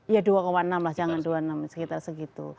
ya dua enam lah jangan dua puluh enam sekitar segitu